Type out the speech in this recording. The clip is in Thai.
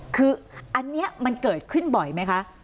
คืออันนี้มันเกิดขึ้นบ่อยไหมคะ